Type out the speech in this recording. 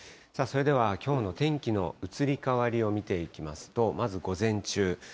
それでは、きょうの天気の移り変わりを見ていきますと、まず午前中。